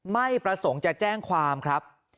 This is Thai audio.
ไม่ประสงค์จะแจ้งความครับ